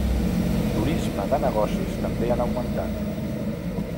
Turisme de negocis també han augmentat.